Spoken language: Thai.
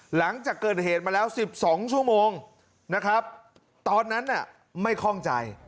หลังจากเกิดเหตุมาแล้ว๑๒ชั่วโมงนะครับตอนนั้นน่ะไม่คล่องใจ